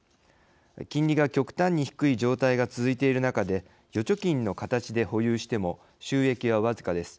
金利が極端に低い状態が続いている中で預貯金の形で保有しても収益は僅かです。